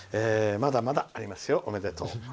まだまだありますよ、おめでとう。